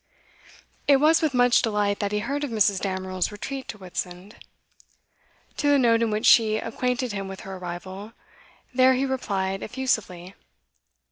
It was with much delight that he heard of Mrs. Damerel's retreat to Whitsand. To the note in which she acquainted him with her arrival there he replied effusively.